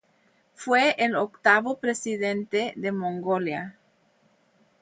Fue el octavo presidente de Mongolia.